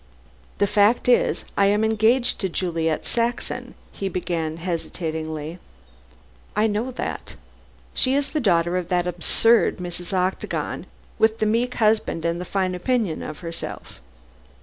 "The fact is, I am engaged to Juliet Saxon," he began, hesitatingly. "I know that. She is the daughter of that absurd Mrs. Octagon, with the meek husband and the fine opinion of herself."